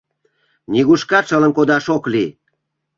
Нигушкат шылын кодаш ок лий.